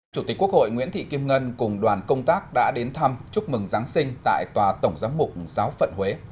chủ tịch quốc hội nguyễn thị kim ngân cùng đoàn công tác đã đến thăm chúc mừng giáng sinh tại tòa tổng giám mục giáo phận huế